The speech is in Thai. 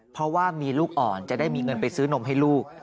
เพราะว่ามีลูกอ่อนจะได้มีเงินไปซื้อนมให้ลูก